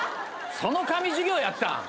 その髪授業やったん。